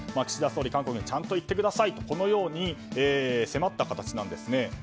岸田総理、韓国にはちゃんと言ってくださいとこのように迫った形です。